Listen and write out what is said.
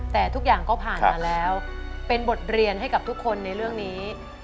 แต่ทุกอย่างก็ผ่านมาแล้วเป็นบทเรียนให้กับทุกคนในเรื่องนี้